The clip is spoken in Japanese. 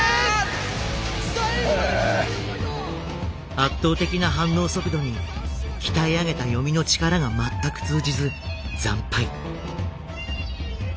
圧倒的な反応速度に鍛え上げた読みの力が全く通じず惨敗。